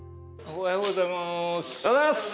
おはようございます！